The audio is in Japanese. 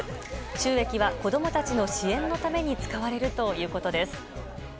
収益は子供たちの支援のために使われるということです。